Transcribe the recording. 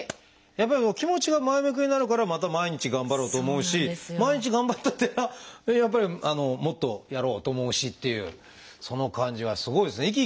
やっぱり気持ちが前向きになるからまた毎日頑張ろうと思うし毎日頑張ってたらやっぱりもっとやろうと思うしっていうその感じはすごいですね。